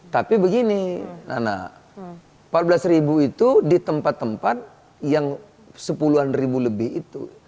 tapi begini nana empat belas ribu itu di tempat tempat yang sepuluhan ribu lebih itu